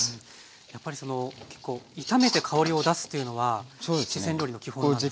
やっぱりその結構炒めて香りを出すっていうのは四川料理の基本なんですか？